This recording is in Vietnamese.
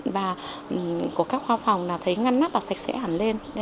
và của các khoa phòng là thấy ngăn nắp và sạch sẽ hẳn lên